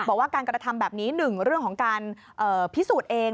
บอกว่าการกระทำแบบนี้๑เรื่องของการพิสูจน์เอง